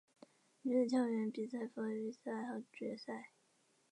女子跳远比赛分为预赛及决赛。